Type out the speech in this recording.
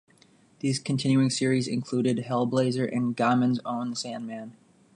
These continuing series' included "Hellblazer" and Gaiman's own "The Sandman".